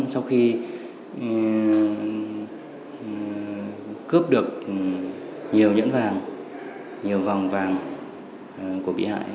sau khi cướp được nhiều nhẫn vàng nhiều vòng vàng của bị hại